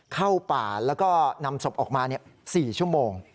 เข้าป่าแล้วก็นำศพออกมา๔ชั่วโมง